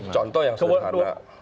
contoh yang sederhana